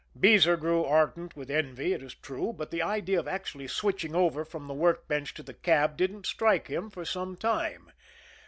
Beezer grew ardent with envy, it is true; but the idea of actually switching over from the workbench to the cab didn't strike him for some time.